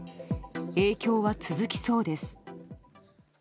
影響は続きそうです。